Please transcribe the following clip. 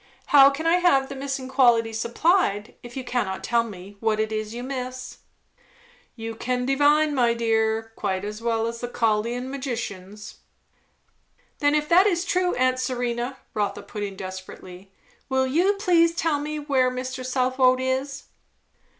"How can I have the missing quality supplied, if you cannot tell me what it is you miss?" "You can divine, my dear, quite as well as the Chaldean magicians." "Then if that is true, aunt Serena," Rotha put in desperately, "will you please tell me where Mr. Southwode is?"